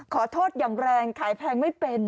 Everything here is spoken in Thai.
ขอโทษอย่างแรงขายแพงไม่เป็น